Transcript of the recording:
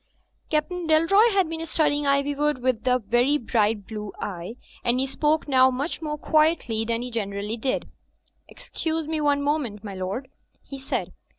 Captain Dalroy had been studying Iv3rwood with a very bright blue eye; and he spoke now much more quietly than he generally did, "Excuse me one moment, my lord," he said.